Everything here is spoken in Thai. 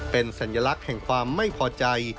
เป็นสัญลักษณ์แห่งความไม่พอใจ